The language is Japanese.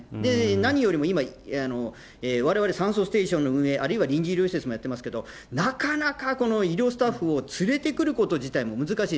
何よりも今、われわれ、酸素ステーションの運営、あるいは臨時医療施設もやってますけれども、なかなか医療スタッフを連れてくること自体も難しい。